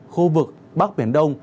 khu vực bắc biển đông